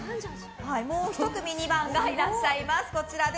もう１組２番がいらっしゃいます。